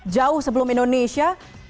jauh sebelum indonesia